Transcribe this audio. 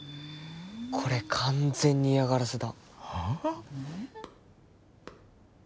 これ完全に嫌がらせだはあ？